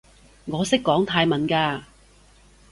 我識講泰文㗎